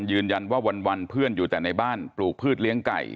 ยืนยันว่าวันเพื่อนอยู่แต่ในบ้านปลูกพืชเลี้ยงไก่